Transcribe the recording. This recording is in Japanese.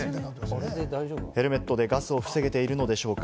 ヘルメットでガスを防げているのでしょうか？